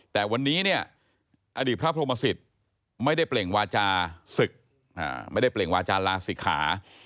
แต่วันนี้เนี่ยอดีตพระพรหมสิตไม่ได้เปล่งวาจาศึกไม่ได้เปล่งวาจาลาศิกขา